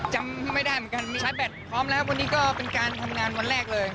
จำไม่ได้เหมือนกันมีชาร์แบตพร้อมแล้ววันนี้ก็เป็นการทำงานวันแรกเลย